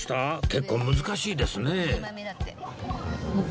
結構難しいですね